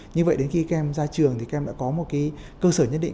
như vậy đến khi các em ra trường thì các em đã có một cơ sở nhất định